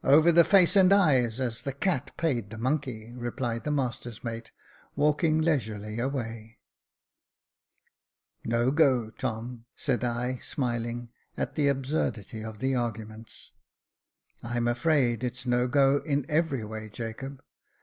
" Over the face and eyes, as the cat paid the monkey," replied the master's mate, walking leisurely away. "No go, Tom," said I, smiling at the absurdity of the arguments. " I'm afraid it's no go in every way, Jacob.